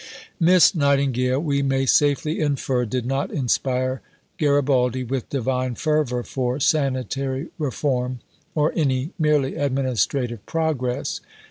Miss Nightingale, we may safely infer, did not inspire Garibaldi with divine fervour for sanitary reform or any merely administrative progress.